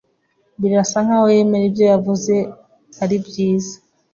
Birasa nkaho yemera ibyo yavuze ari byiza.